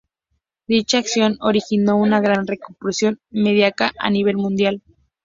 Dicha acción originó una gran repercusión mediática a nivel mundial.